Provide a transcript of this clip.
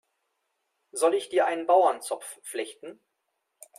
Soll ich dir einen Bauernzopf flechten?